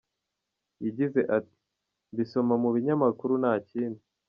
Yagize ati “Mbisoma mu binyamukuru, nta kindi.